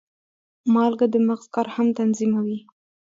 مالګه د مغز کار هم تنظیموي.